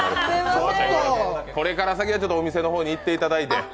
これから先はお店の方に行っていただいて。